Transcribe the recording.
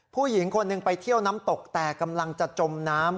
ผู้หญิงคนหนึ่งไปเที่ยวน้ำตกแต่กำลังจะจมน้ำ